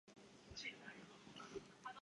赫氏海猪鱼为隆头鱼科海猪鱼属的鱼类。